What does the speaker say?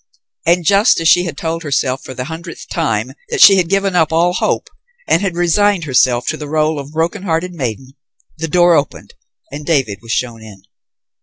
And just as she told herself for the hundredth time that she had given up all hope and had resigned herself to the rôle of broken hearted maiden, the door opened, and David was shown in.